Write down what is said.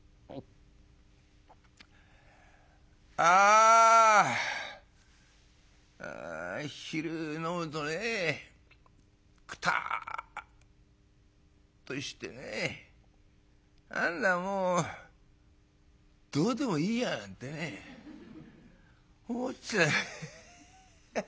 「あ昼飲むとねくたっとしてね何だもうどうでもいいやなんてね思っちゃうヘッヘヘヘヘ。